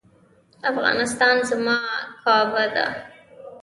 افغانستان زما کعبه ده؟